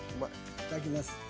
いただきます。